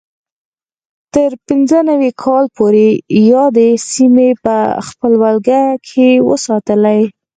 تر پینځه نوي کال پورې یادې سیمې په خپل ولکه کې وساتلې.